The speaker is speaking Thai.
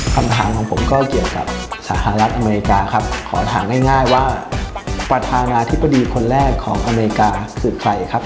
คำถามของผมก็เกี่ยวกับสหรัฐอเมริกาครับขอถามง่ายว่าประธานาธิบดีคนแรกของอเมริกาคือใครครับ